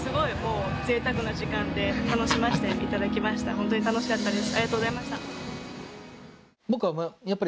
ホントに楽しかったです。